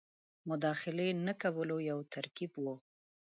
مداخلې نه کولو یو ترکیب وو.